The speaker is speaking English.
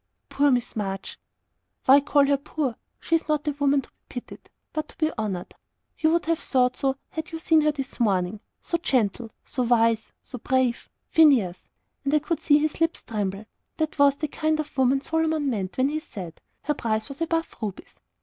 "Poor Miss March!" "Why call her poor? She is not a woman to be pitied, but to be honoured. You would have thought so, had you seen her this morning. So gentle so wise so brave. Phineas," and I could see his lips tremble "that was the kind of woman Solomon meant, when he said, 'Her price was above rubies.'"